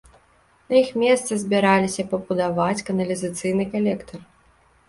На іх месцы збіраліся пабудаваць каналізацыйны калектар.